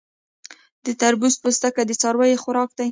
د تربوز پوستکی د څارویو خوراک دی.